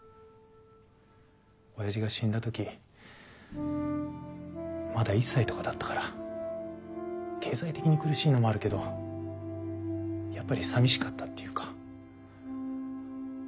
おやじが死んだ時まだ１歳とかだったから経済的に苦しいのもあるけどやっぱりさみしかったっていうか。